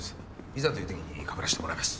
いざというときにかぶらせてもらいます。